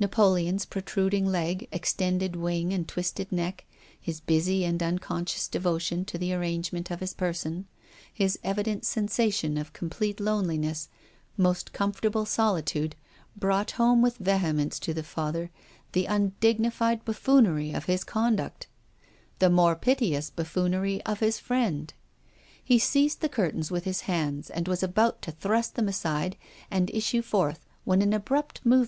Napoleon's pro truding leg, extended wing and twisted neck, his busy and unconscious devotion to the arrangement of his person, his evident sensation of complete loneliness, most comfortable solitude, brought home with vehemence to the Father the undigni fied buffoonery of his conduct ; the more piteous buffoonery of his friend. He seized the curtains with his hands and was about to thrust them aside and issue forth when an abrupt movem.